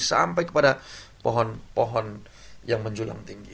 sampai kepada pohon pohon yang menjulang tinggi